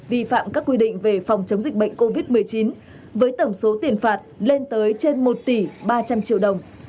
vi phạm các quy định về phòng chống dịch bệnh covid một mươi chín với tổng số tiền phạt lên tới trên một tỷ ba trăm linh triệu đồng